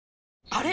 あれ？